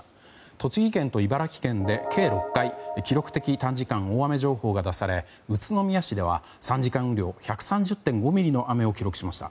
栃木県と茨城県で計６回記録的短時間大雨情報が出され宇都宮市では３時間雨量１３０．５ミリの雨を記録しました。